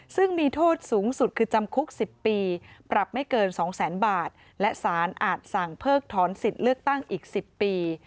ซึ่งมีโทษสูงสุดคือจำคุก๑๐ปีปรับไม่เกินสองแสนบาทและสารอาจสั่งเพิกถอนสิทธิ์เลือกตั้งอีก๑๐ปี